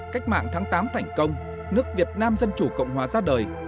cách mạng tháng tám thành công nước việt nam dân chủ cộng hòa ra đời